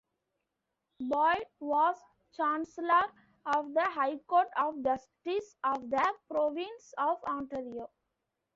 Boyd was Chancellor of the High Court of Justice of the Province of Ontario.